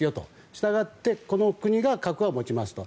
したがってこの国が核は持ちますと。